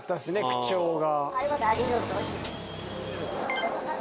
口調が。